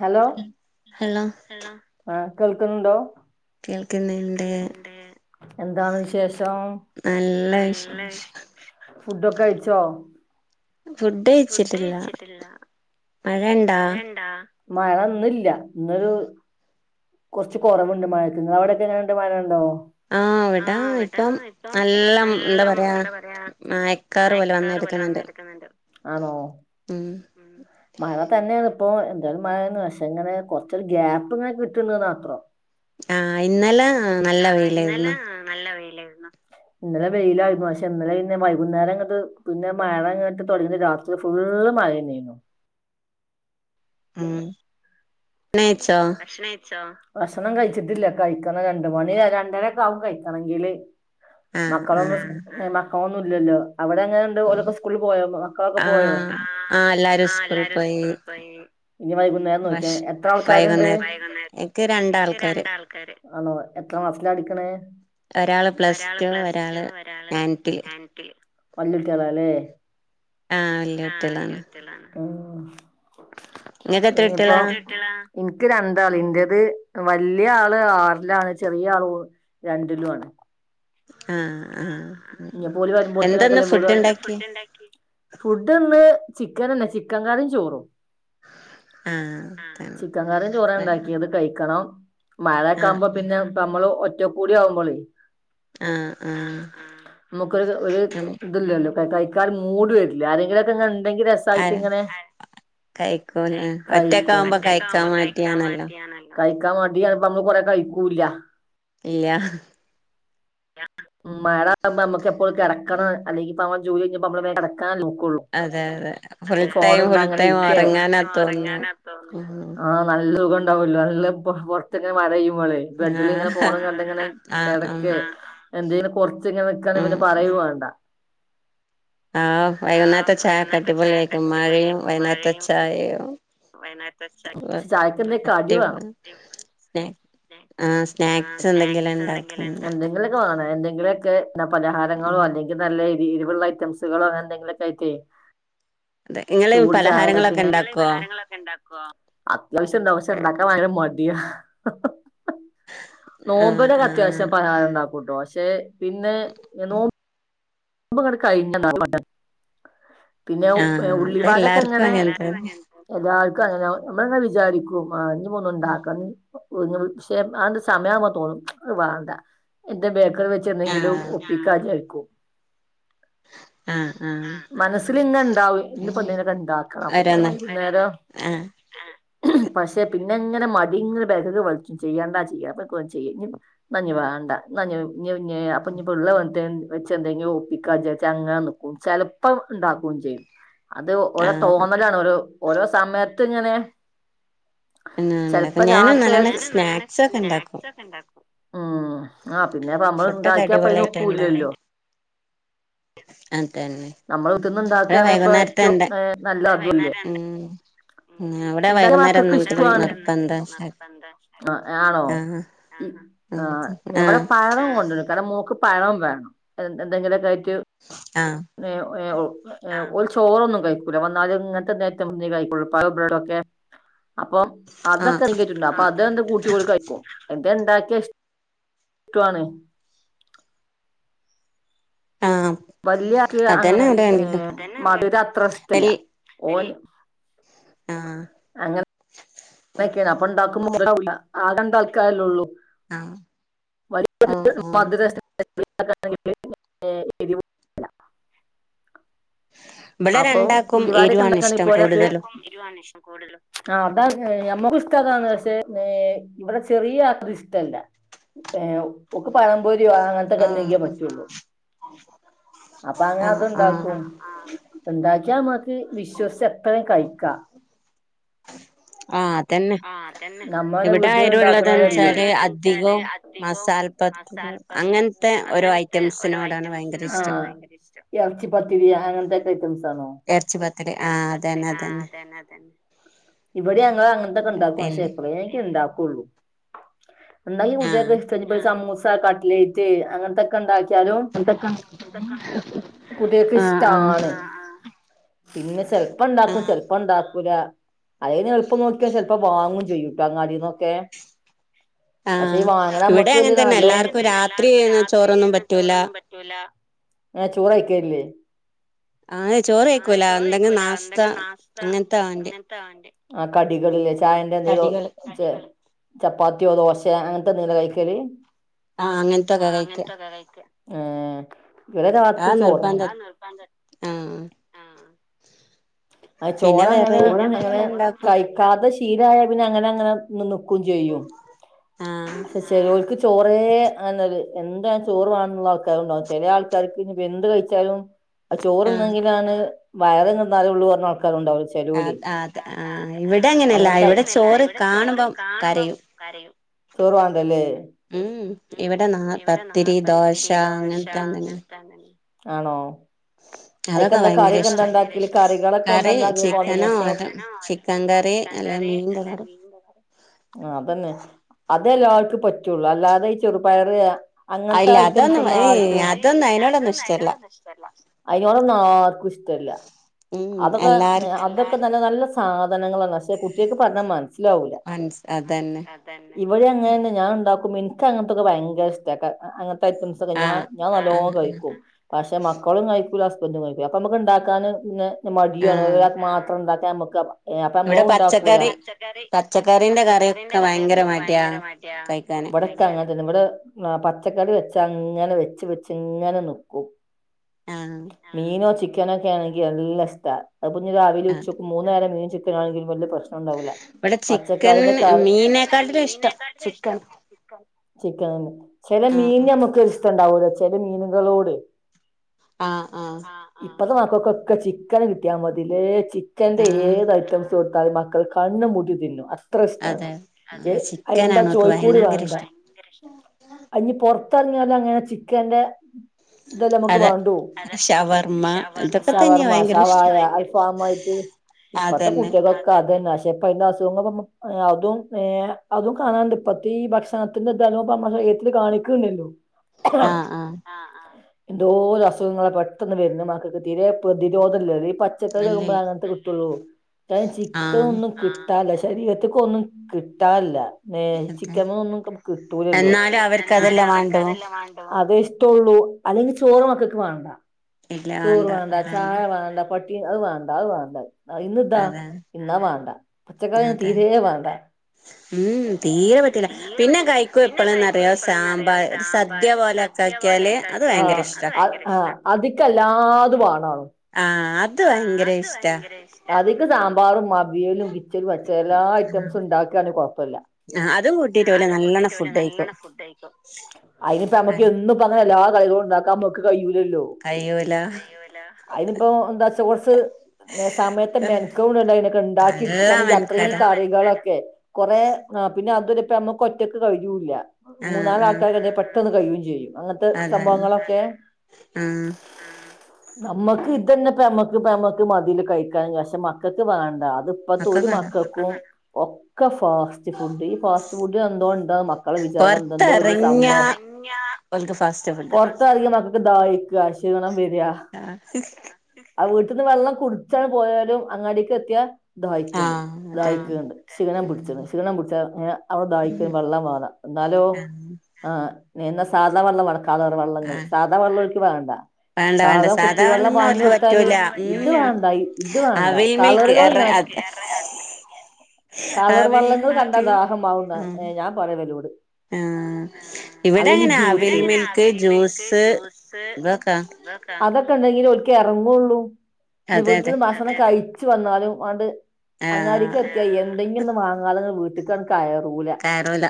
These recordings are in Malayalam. ഹലോ ഹലൊ ഹലൊ ആഹ് കേൾക്കുന്നുണ്ടോ? കേൾക്കുന്നുണ്ട് കേൾക്ക്ന്ന് ണ്ട്. എന്താണ് വിശേഷം? നല്ല വിശേ ഫുഡ്ഡൊക്കഴിച്ചോ? ഫുഡ്ഡെയ്ച്ചിട്ടില്ല. മഴൺ മഴണ്ടാ? മഴന്ന്ല്ല, ഇന്നൊരൂ കൊർച്ച് കൊറവ്ണ്ട് മഴക്ക്. ഇങ്ങളവ്ടെക്കെങ്ങനെണ്ട്, മഴണ്ടോ? ആഹ് ഇവിടാ ഇപ്പം നല്ലം ന്താ പറയാ മായ് ക്കാറ് പോലെ വന്ന് കെടക്ക്ന്ന് ണ്ട്. ആണോ ഉം മഴ തന്നേണ്പ്പോ. എന്തായാലും മഴേന്ന് പക്ഷെങ്ങനെ കൊർച്ചൊരു ഗ്യാപ്പ്ങ്ങനെ കിട് ട്ട്ന്ന് ന്നാത്രം. ആഹ് ഇന്നലേ നല്ല വെയിലായിര്ന്നു. നല്ല വെയിലായിര്ന്നു. ഇന്നലെ വെയിലായിരുന്നു പക്ഷെ, ഇന്നലെ പിന്നെ വൈകുന്നേരങ്ങട്ട് പിന്നെ മഴങ്ങട്ട് തൊട്ങ്ങിട്ട് രാത് ന്ന് ഫുള്ള് മഴെന്നേനു. ഉം. ണെയ്ച്ചോ? ഭക്ഷണേഴ്ച്ചോ? ഭക്ഷണം കഴിച്ചിട്ടില്ല കഴിക്കണം. രണ്ട് മണി രണ്ടരൊക്കാവും കഴിക്കണെങ്കില്. ആഹ് മക്കളൊന്നും ആഹ് സ് മക്കളൊന്നുല്ലല്ലോ. അവിടെങ്ങനെ ട് ആഹ് ഓലൊക്കെ സ്കൂൾല് പോയോ, മക്കളൊക്കെ പോയോ? ആഹ് എല്ലാരും ആഹ് സ്കൂളിൽ എല്ലാരും പോയി സ്കൂളിൽ പോയി. ഇനി വൈകുന്നേരം ഭക്ഷ നോക്ക്യാ മതി. എത്ര ആൾക്കാര്ണ്ട്? വൈകുന്നേരം വൈകുന്നേരം എനിക്ക് ഇക്ക് രണ്ടാൾക്കാര് രണ്ടാ ക്കാര് ആണോ? എത്ര ക്ലാസ്സിലാ പടിക്ക്ണ് ഒരാള് പ്ലസ് ടു ഒരാള് നയൻതില് വല്യ കുട്ടികളാല്ലേ ആഹ് വല്യ ആഹ് കുട്ടികളാണ് വല്യ കുട്ടികളാണ് ഇങ്ങൾക്ക് എത്ര കുട്ടികളാ? ഇൻക്ക് രണ്ടാള് എന്റേത് വല്യ ആള് ആറിലാണ് ചെറിയ ആള് ഒ രണ്ടിലും ആണ് ആഹ് ആഹ് എന്താന്ന് ഫുഡ് ഇണ്ടാക്കിയെ? ണ്ടാക്കി ഫുഡ് ഇന്ന് ചിക്കന്ണ്ട് ചിക്കൻ കറിയും ചോറും ആഹ് ചിക്കൻ കറീം ചോറും ഉണ്ടാക്കിയത് കഴിക്കണം ആഹ് മഴൊക്കാവുമ്പോ പിന്നെ നമ്മള് ഒറ്റക്കൂടി ആവുമ്പോളെ ആഹ് ആഹ് നമുക്കൊരു ഒരു ഉം തില്ലല്ലോ കഴിക്കാൻ ഒരു മൂഡ് വരില്ല ആരെങ്കിലൊക്കെെ ഇങ്ങനെ ഇണ്ടെങ്കിൽ രസ് ആഹ് സായിട്ടിങ്ങനെ കഴിക്കൂലെ കഴിക്കും ഒറ്റക്കാവുമ്പോ ഒറ്റക്ക് കഴിക്കാൻ ആവുമ്പോ കഴിക്കാൻ മടിയാണല്ലോ മടിയാണെ കഴിക്കാൻ മടിയാവുമ്പോ നമ്മള് കൊറെ കഴിക്കൂല്ല ഇല്ല മഴ ആവുമ്പോ നമ്മക്ക് എപ്പളും കിടക്കണം ഉം അല്ലെങ്കിപ്പം നമ്മടെ ജോലി കഴിഞ്ഞ് കിടക്കാനെ നോക്കുള്ളു അതെ അതെ ഫുൾ ഫോണ് ടൈം കണ്ട് ഫുൾ അങ്ങനെ ടൈം ഇരിക്കെ ഉറങ്ങാനാ തോന്നുന്നെ ഉം ആഹ് നല്ലുഖംണ്ടാവല്ലോ നല്ല പുറത്തിങ്ങനെ മഴ പെയ്യുമ്പോളേ ആഹ് ബഡിലിങ്ങനെ ഫോണും കണ്ടിങ്ങനെ ആഹ് ഉം കിടക്ക എന്തേലും കൊർച്ചിങ്ങനെ നിക്കാന്നെ ഉം പിന്നെ ഉം പറയുംവേണ്ട ആഹ് വൈകുന്നേത്തെ ചായക്കെ അടിപൊളിയായിരിക്കും മഴയും വൈകുന്നേത്തെ ചായയും ചായക്കെന്തേ കടി വേണം അടിപൊളി സ്നാ ആഹ് ആഹ് സ്നാക്സ് എന്തെങ്കിലും സ്നാക്സ് എന്തെങ്കിലും ഉണ്ടാക്കും ഇണ്ട് എന്തെങ്കിലും ക്കെ വേണം എന്തെങ്കിലുമൊക്കെ പലഹാരങ്ങളൊ ഉം അല്ലെങ്കിൽ ല്ലെങ്കി നല്ല എരിവുള്ള ഐറ്റംസുകളോ അങ്ങനെ എന്തെങ്കിലുമൊക്കെ ആയിട്ടേ അതെ ഇങ്ങള് ചൂട് പലഹാരങ്ങളൊക്കെ ചായേക്കിങ്ങനെ ഇണ്ടാക്കോ അത്യാവശ്യം ഇണ്ടാക്കും പക്ഷെ ഉണ്ടാക്കാൻ ഭയങ്കര മടിയ ആഹ് നോമ്പിനൊക്കെ ആഹ് അത്യാവശ്യം പലാഹാരം ഇണ്ടാക്കൂട്ടോ പക്ഷെ പിന്നെ നോ മ്പ് ങ്ങട്ട് കഴിഞ്ഞ [unintelligible] പിന്നെ ആഹ് ഉള്ളി വടൊക്കെ അതെല്ലാർക്കും ഇങ്ങനെ അങ്ങൻ തന്നെ എല്ലാർക്കും അങ്ങനെ നമ്മള്ങ്ങനെ വിചാരിക്കും ആഹ് ഇനിയിപ്പോ ഒന്നും ഉണ്ടാക്ക പക്ഷെ ആണ്ട് സമയമാവുമ്പോ തോന്നും അത് വേണ്ട എന്തേം ബേക്കറി വെച്ച് എന്തെങ്കിലും ആഹ് ഒപ്പിക്കാചാരിക്കും ആഹ് ആഹ് മനസ്സില്ങ്ങനെണ്ടാവും ഇന്ന് ഇപ്പം എന്തെങ്കിലൊക്കെ ഇണ്ടാക്കണം ഓരോന്ന് വൈന്നേരം ആഹ് പക്ഷെ പിന്നെങ്ങനെ മടിങ്ങനെ ബേക്ക്ക്ക് വൽച്ചും ചെയ്യണ്ട ചെയണ്ട [unintelligible] എന്ന ഇഞ്ഞിവേണ്ട ന്ന ഞ്ഞി അപ്പൊ ഞ്ഞിപ്പള്ളത് വ വെച്ച് എന്തെങ്കിലും ഒ പ്പിക്കാ വിചാരിച്ചങ്ങനെ നിക്കും ചെലപ്പം ഉണ്ടാക്കും ചെയ്യും അത് ഓരോ ആഹ് തോന്നലാണ് ഓരോ ഓരോ സമയത്ത്ങ്ങനെ ചെലപ്പോ ഉണ്ടാക്കും ഞാന് രാത്രി നല്ലോണം സ്നാക്സ് ഒക്കെ ഇണ്ടാക്കും ഉം ആഹ് പിന്നെ നമ്മള് ഫുഡൊക്കെ ഉണ്ടാക്കിയാപ്പതിന് അടിപൊളിയായിട്ട് ഇണ്ടാക്കും ഒക്കുല്ലല്ലോ അതന്നെ നമ്മള് ഇവിടെ കുത്തര്ന്ന്ണ്ടാക്കാണ്പ്പം വൈകുന്നേരത്തെ ഏറ്റവും എന്താ നല്ലതല്ലേ ഉം ഇവിടെ എന്തായാലും വൈകുന്നേരം മക്കൾക്ക് എന്തെങ്കിലും ഇഷ്ട്ടാണ് നിർബന്ധാ ആണോ ആഹ് ആഹ് എവിടെ പഴം കൊണ്ടുവരും കാരണം മോക്ക് പഴം വേണം എന്തെങ്കിലൊക്കെ ആയിട്ട് ആഹ് [unintelligible] യേഹു ഓൽ ചോറൊന്നും കഴിക്കൂല വന്നാല് ഇങ്ങൻത്തെ എന്തെ ഐറ്റം കഴിക്കള്ളു പഴം, ബ്രെഡോക്കെ അപ്പം ആഹ് അതൊക്കെ [unintelligible] അപ്പ അത് എന്ത് കൂട്ടി [unintelligible] കഴിക്കും എന്തേ ഇണ്ടാക്കിയ ഇഷ്ടു ആണ്. ആം വല്യാക്ക് അങ്ങനെ ഏ മധുരത്ര ഇഷ്ടല്ല ഓൻ ആഹ് അങ്ങനെ അങ്ങനക്കെയാണ് അപ്പൊ ഇണ്ടാക്കുമ്പം [unintelligible] ആകെ രണ്ടാൾക്കാരല്ലേ ഉള്ളു. ആഹ് ഓഹ് ഓഹ് [unintelligible] ഇവിടെ അപ്പൊ രണ്ടാക്കും ഉള്ളി വടക്കെ എരുവാണ് ഇണ്ടാക്കാന് ഇഷ്ടം ഇപ്പോ ഒരാക്ക് കൂടുതലും [unintelligible] ആ അതാ ഏ ഞമ്മുക്കിഷ്ട അതാണ് പക്ഷേ ഏ ഇവിടെ ചെറിയ ആൾക്ക് ഇഷ്ടല്ല. ഏ ഓൾക്ക് പഴംപൊരിയോ അങ്ങൻത്തെക്കെ ആഹ് എന്തെങ്കി ആഹ് പറ്റുള്ളു. അപ്പ അങ്ങനെ ആഹ് അത് ആഹ് ഇണ്ടാക്കും. ഇണ്ടാക്കിയ നമ്മക്ക് വിശ്വസിച്ച് എത്രയും കഴിക്കാ. ആഹ് അതന്നെ നമ്മടെ ഇവിടെ വീട്ടില് എരുവുള്ളതെന്ന് ഉണ്ടാക്ക്ണതല്ലേ. വെച്ചാല് അധികവും മസാലപ്പത്തില് അങ്ങനത്തെ ഓരോ ഐറ്റംസിനോടാണ് ഭയങ്കര ഇഷ്ടം ആ എർച്ചി പത്തിരി അങ്ങൻത്തെ ഐറ്റംസ് ആണോ? ഇറച്ചി പത്തില് ആഹ് അതന്നെ അതന്നെ ഇവടിം ഞങ്ങള് അങ്ങ [unintelligible] ഇണ്ടാക്കും പക്ഷേ പിന്നെ എപ്പളേങ്കിലും ഇണ്ടാക്കുള്ളൂ ഇണ്ടാക്കി ആഹ് കൊണ്ടര്ണേ ഇഷ്ട ഞ്ഞിപ്പം സമൂസ് സ കട്ലൈറ്റ് അങ്ങനത്തെ ക്കെ ഇണ്ടാക്കിയാലും അതൊക്കെ കുട്ടികൾക്ക് ആഹ് ആഹ് ഇഷ്ടാണ്. പിന്നെ ചെൽപ്പം ഇണ്ടാക്കും ആഹ് ചെൽപ്പം ഇണ്ടാക്കുല അയിന് എള്പ്പം നോ ക്കെ ചെൽപ്പം വാങ്ങും ചെയ്യുംട്ട അങ്ങാടിന്നൊക്കെ പക്ഷെ ഈ ആഹ് വാങ്ങ്ണ ഇവിടെ നമ്മക്കുല്ലേ അങ്ങനെ തന്നെ നല്ലൊന്ന് ഇവടെ അങ്ങനെ എല്ലാർക്കും തന്നെ രാത്രി എല്ലാർക്കും ചോറൊന്നും [unintelligible] പറ്റൂല ചോറ്ന്നും പ റ്റൂല ഏ ചോറ് കയിക്കല്ലേ? ആഹേ ചോറ് കഴിക്കൂല എന്തെങ്കിലും നാസ്ത അങ്ങൻത്തെ വാണ്ട്യേ. ആ കടികള്ല്ലേ ചായന്റെ എന്തേ തോ കടികള് ചെ ചപ്പാത്തിയോ ദോശേ അങ്ങൻത്തെ എന്തെങ്കില കഴിക്കല്? ആ അങ്ങൻത്തൊക്കെ കഴിക്ക. ഏഹ് ഇവിടെ രാത്രി ആ ചോറും നിർബന്ധ ആഹ് ആഹ് അഹ് പിന്നെ വെറൈ ചോറങ്ങനെ അങ്ങനെ റ്റികളുണ്ടാക്കും കഴിക്കാത്ത ശീലായ പിന്നെ അങ്ങനെ അങ്ങനെ ഒന്ന് നിക്കും ചെയ്യും ആഹ് പക്ഷെ ചെലോർക്ക് ചോറേ അഹന്നൊര് എന്തായാലും ചോറ് വാണന്നുള്ള ആൾക്കാരുണ്ടാവും ചെല ആൾക്കാർക്ക് ഇനി ഇപ്പം എന്ത് കഴിച്ചാലും ആ ആഹ് ചോറ്ന്നെങ്കിലാണ് വയറ് [unintelligible] പർഞ്ഞ ആൾക്കാരും ഇണ്ടാവും. ചേലോല് അത് അത് ആഹ് ഇവിടെ അങ്ങനെയല്ല അങ്ങൻത്തെ ഇവിടെ ചോറ് കാണുമ്പം കരയും ചോറ് വാണ്ടല്ലേ? ഉം ഉം ഇവിടെ ന്നാ പത്തിരി, ദോശ അങ്ങൻത്തെ എന്തെങ്കിലും [unintelligible] ആണോ? ഉ അയിക്കന്താ കറിക്കെന്താ ഇണ്ടാക്കല് കറികളൊക്കെന്ത കറി ഇണ്ടാക്കല് ചിക്കനോ അത് [unintelligible] ചിക്കൻ കറി ചിക്കൻ അല്ലെ കറി മീന്റെ അല്ലേ കറി [unintelligible] ആഹ് അതന്നെ. അതേ യെല്ലോർക്കും പറ്റൊള്ളൂ. അല്ലാതെ ഈ ചെറുപയറ് അങ്ങൻത്തെ അല്ല ഐറ്റംസ് അതൊന്നും ഒന്നു ഏയ് ആർക്കും. അതൊന്നും ഈഹ് അതിനോടൊന്നും അതൊന്നും ഇഷ്ടല്ല അയ്തോടൊന്നും ഇഷ്ടല്ല. അതിനോടൊന്നും ആർക്കും ഇഷ്ടല്ല. ഉം അതൊക്കെ ന്ന് എല്ലാർക്കും അതൊക്കെ നല്ല നല്ല സാധനങ്ങളാണ്. പക്ഷെ കുട്ട്യേക്ക് പർഞ്ഞാ മൻസിലാവൂല. മനസ് അതന്നെ തെന്നെ. ഇവടിം അങ്ങനെന്നെ ഞാൻ ണ്ടാക്കുമ്പം ഇൻക് അങ്ങൻത്തൊക്കെ ഭയങ്കര ഇഷ്ടാ. ക അങ്ങൻത്തെ ഐറ്റംസ് സൊക്കെ ഞാൻ ആഹ് ഞാൻ നല്ലോം ആഹ് കഴിക്കും. പക്ഷെ മക്കളും കഴിക്കൂല ഹസ്ബൻഡും കഴിക്കൂലാ. അപ്പ മ്മക്ക് ഇണ്ടാക്കാൻ പിന്നെ മടിയു ആണ്. ആഹ് ഒരാക്കു മാത്രം ഉണ്ടാക്കാൻ നമക്ക് ഏഹ് അപ്പോ ഇവിടെ നമ്മളും ഇണ്ടാക്കൂലാ. പച്ചക്കറി ഇബടെ പച്ചക്കറിന്റെ കറിയൊക്കെ പച്ചക്കറിൻ്റെ ഭയങ്കര കറ്യൊക്കെ മടിയാ ഭയങ്കര മട്യാ. കഴിക്കാന് ഇബടെ ക്കെ അങ്ങനെതന്നെ. ഇബടെ പച്ചക്കറി വെച്ചാ അങ്ങനെ വെച്ച് വെച്ച് ഇങ്ങനെ നിക്കും. ആഹ്. മീനോ ചിക്കനോ ഒക്കെ ആണെങ്കി നല്ല ഇഷ്ടാ. അത്പ്പഞ് രാവിലേം ആഹ് ഉച്ചക്കും മൂന്നേരം മീനും ചിക്കനും ആണെങ്കിലും വല്യ പ്രശ് നണ്ടാവൂല്ല ഇവിടെ ചിക്കൻ പച്ചക്കായിന്റെ കറി, വടെ ചിക്കന്നെ മീനെക്കാട്ടിലും ഇഷ്ടം മീനെക്കാട്ടിലും ചിക്കൻ ഇഷ്‌ടം. ചിക്കനനെ. ചെല ആഹ് മീൻന് നമ്മക്കൊര് ഇഷ്ടണ്ടാവൂല. ചെല മീനുകളോട് ആഹ് ആഹ്. ഇപ്പത്തെ മക്കക്കൊക്ക ചിക്കന് കിട്ടിയാ മതില്ലേ ചിക്കൻന്റെ ആഹ് ഏത് ഐറ്റം സ് കൊടുത്താലും മക്കൾ കണ്ണും പൂട്ടി തിന്നും. അ ത്രസ്റ്റാണ്. അതെ എ അതെന്താ ചിക്കനാണ് ഓൾക്ക് ചോയ്ക്കൂടി ഭയങ്കര വാണ്ടാ. ഇഷ്ടം അയ് ഇഞ് പൊറത്തറങ്ങിയാലും അങ്ങനെന്നെ ചിക്കന്റെ ഇതെല്ലെ നമുക്ക് അതെ വേണ്ടു. ഷവർമ്മ ഷവർ, ഇതൊക്കെ തന്നെയാ ഷവർമ ഭയങ്കര ഇഷ്ടം ഷവായ അൽഫാമായിട്ട് ഇപ്പത്തെ അതന്നെ കുട്ട്യേകൊക്കെ അതന്നെ. [unintelligible] ഇപ്പയ്ന്റെ അസുഖങ്ങളും അതും അതും കാണാണ്ട് ഇപ്പത്തീ ഭക്ഷണ ത്തിൻ്റെ ത് നല്ലോം നമ്മളെ ശരീരത്തില് കാണിക്ക്ണ്ടല്ലോ. ആഹ് ആഹ്. എന്തോര് അസുഖങ്ങളാ പെട്ടെന്ന് വര്നത് മക്കക്ക്. തീരെ പ്രതിരോധെല്ലല്ലോ. ഈ പ ച്ചക്കറി തിന്നുമ്പളേ ഇല്ലില്ല അങ്ങൻത്തെത് കിട്ടൊള്ളൂ. കാര്ണം ആഹ് ചിക്കനൊന്നും കി ട്ടാല്ല ശരീരത്ത്ക്കൊന്നും കിട്ടാൻല്ല. ന്നെ അതെ ചിക്കൻമെന്നൊന്നും കിട്ടൂലല്ലോ. എന്നാലും അവർക്ക് എന്നാലും അതെല്ലാം വേണ്ടൂ അവർക്കതല്ലേ വാ ണ്ടൂ. അതെ ഇഷ്ടൊള്ളൂ. അല്ലെങ്കി ചോറ് മക്കക്ക് വാണ്ട. ഇല്ല ചോറ് വേണ്ട വാണ്ടാ, ചായ അതന്നെ വാണ്ടാ, പട്ടി അഹ് വാണ്ടാ അഹ് വാണ്ടത്. ആഹ് ഇന്ന് ഇതാ അതെ ഇന്നാ വാണ്ട. പച്ചക്കറിയാണേ തീരേ വാണ്ട. ഉംഉം തീരെ പറ്റൂല്ല. പിന്നെ കയ് ക്കും എപ്പള് ന്നറിയോ സാമ്പാർ ഒരു സദ്യ പോലെ ഒക്കെ ആക്കിയാല് അത് ഭയങ്കര ഇഷ്ടാ. ആഹ് ആഹ് അതിക്കെല്ലാതു വാണാണും. ആഹ് അത് ഭയങ്കര ഇഷ്ടാ. അതിക്ക് സാമ്പാറും അവിയലും കിച്ചടി പച്ചടി എല്ലാ ഐറ്റംസും ഇണ്ടാക്കാണെ കൊഴപ്പല്ല. ആഹ് അതും കൂ ട്ടീറ്റോല് നല്ല ട്ടീറ്റൊല് നല്ലണം ഫുഡഴിക്കും. അയ്ന് പ്പം നമക്ക് എന്നും ഈ പറഞ്ഞതെല്ലാ കറികളും ഇണ്ടാക്കാൻ നമ്മക്ക് കയ്യൂല്ലല്ലോ. കഴിയൂല കയ്യൂല്ല. അയ്ന് പ്പം എന്താ [unintelligible] എഹ് സമയത്തെ മെൻക്കെടുടെണ്ടെ അയ്നൊക്കെ ഇണ്ടാക്കി നല്ല ഇട്ക്കണെങ്കി അത്രയും മെനക്കേടാ കറികളൊക്കെ. കൊറെ ആഹ് പിന്നെ അത്വര ഇപ്പ നമ്മക്ക് ഒറ്റക്ക് കഴിയൂല്ല. ആഹ് മൂന്നാല് ആഹ് ആൾക്കാരൊക്കെ ണ്ടേ പെ പെട്ടന്ന് കഴിയും ചെയ്യും. അങ്ങനത്തെ അതാണ് സംഭവങ്ങളൊക്കെ. ആഹ് നമ്മക്ക് ഇതന്നെ പമക്ക് പെമക്ക് മതിൽ കഴിക്കാനും പക്ഷെ മക്കൾക്ക് വേണ്ട അത് ഇപ്പത്തെ ഒരു മക്കൾക്കുണ്ടോ മക്കക്കും ഒക്കെ ഫാസ്റ്റ് ഫുഡ് ഈ ഫാസ്റ്റ് ഫുഡ് എന്തോ ഉണ്ടോ മക്കളെ വിചാരം എന്തോ വലിയ പൊറത്തെറങ്ങിയാ സംഭവ ഓൽക്ക് ഫാസ്റ്റ് ഫുഡ് പൊർ ത്തർങ്ങിയ മക്കക്ക് ദാഹിക്ക ക്ഷീണം വരാ ആഹ് ആഹ് വീട്ട്ന്ന് വെള്ളം കുടിച്ചാണ് പോയാലും അങ്ങാടിക്ക് എത്തിയാ ദാഹിക്ക്ണ്ട് അതന്നെ ദാഹിക്ക്ണ്ട് ക്ഷീണം ഉം പിട്ച്ച്ക്ണ് ക്ഷീണം പിടിച്ച ഏഹ് അപ്പൊ ദാ വള്ളം വാണം എന്നാലോ ആഹ് ആ സാധാവെള്ളം വേണ്ട കളർ വള്ളങ്ങള് ആഹ് സാ ന്ന വെള്ളം ഓൽക്ക് വേണ്ട വേണ്ട വേണ്ട സാധാ കുപ്പി സാധാരണ വെള്ളം ഒന്നും വാങ്ങി ഓൽക്ക് കൊട്ത്താല് പറ്റൂല ഇത് ഉം വേണ്ട ഇത് വേണ്ട അവിൽ മിൽക്ക് കളറുകൾ എറ ഇങ്ങനെ അത് കളർ ആവിൽ വെള്ളങ്ങള് കണ്ട മിൽക്ക് ദാഹം മാറുന്ന ഞാൻ പറിയ ഇവലോട് ഏഹ് അല്ലെങ്കി ജൂസ് ഇവിടെങ്ങനെ അവിൽ മിൽക്ക് ജ്യൂസ് ജൂസ് ഇതൊക്കാ അതൊക്കെ ഉണ്ടെങ്കിലിൽ ഓൽക്ക് എറങ്ങുള്ളൂ നി അതെ അതെ വീട്ട്ന്ന് ഭക്ഷണം കഴിച്ചു വന്നാലും അണ്ട് അങ്ങാടീക്ക് ആഹ് എത്തിയ എന്തെങ്കിലും വാങ്ങാതെ വീട്ട്ക്കങ് കയറൂല കയറൂല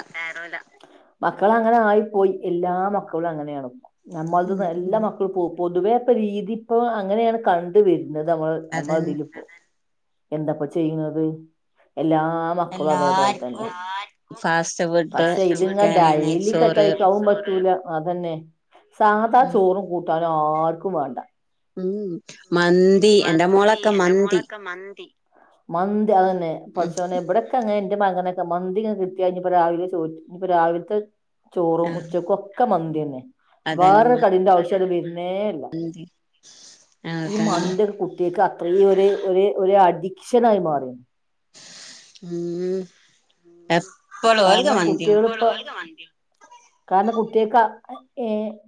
മക്കള് അങ്ങനെ ആയി പോയി എല്ലാ മക്കളും അങ്ങനെയാണ്പ്പ നമ്മൾത്ന്ന എല്ലാ മക്കളും പൊതുവേപ്പ രീതി ഇപ്പ അങ്ങനെയാണ് കണ്ട് വര്ന്നത് നമ്മള് അതന്നെ നമ്മൾതീല്പ്പോ എന്താപ്പൊ ചെയ്യുന്നത് എല്ലാ മക്കളും അതേപോലെ തന്നെ എല്ലാർക്കും ഫാസ്റ്റ് ഫുഡ് പക്ഷെ ഇത് ഞാൻ ചിക്കന് ഡൈലിക്ക നെയ്ച്ചോറ് കഴിക്കാവൻ പറ്റൂല അതന്നെ സാധാ ഉം ചോറും കൂട്ടാനും ആർക്കും വേണ്ട ഉം മന്തി എന്റെ മോളൊക്കെ മന്തി മന്തി മന്തി അതന്നെ ഉം പട്‌ചോനെ ഇവടൊ ക്കെ അങ്ങനെ എന്റെ മകനൊക്കെ മന്തി ഇങ്ങനെ കിട്ടിയാ ഇനിപ്പൊ രാവിലെ ചോ ഇനിപ്പൊ രാവിൽത്തെ ചോറും ആഹ് ഉച്ചക്കും ഒക്കെ മന്തി തന്നെ വേറെ കടിന്റെ ആവശ്യം അത് വരുന്നേ [unintelligible] ന്തി ഈ മന്തി [unintelligible] കു ട്ടിയാക്ക് അത്രയും ഒരു ഒരു ഒരു അഡിക്ഷന ആയി മാറി ഉം എ കാരണം കുട്ടിയാള്പ്പോ കാരണം കുട്ടിയാക്ക് അ ഏ